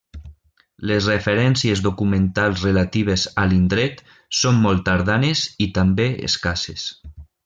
Les referències documentals relatives a l'indret són molt tardanes i també escasses.